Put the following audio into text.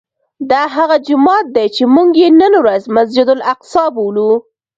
دا هغه جومات دی چې موږ یې نن ورځ مسجد الاقصی بولو.